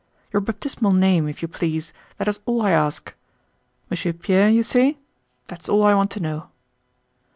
"Your baptismal name, if you please. That is all I ask. Monsieur Pierre, you say.... That's all I want to know."